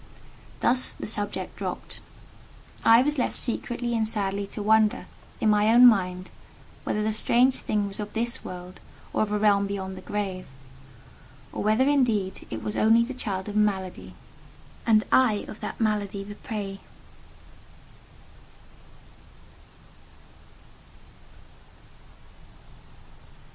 Thus the subject dropped. I was left secretly and sadly to wonder, in my own mind, whether that strange thing was of this world, or of a realm beyond the grave; or whether indeed it was only the child of malady, and I of that malady the prey.